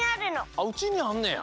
あっうちにあんねや。